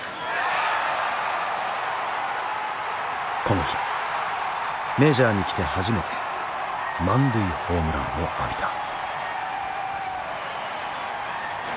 この日メジャーに来て初めて満塁ホームランを浴びた。